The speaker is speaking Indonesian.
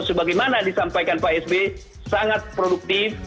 sebagaimana disampaikan pak sby sangat produktif